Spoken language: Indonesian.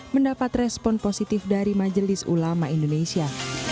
mendapat respon positif dari majelis ulama indonesia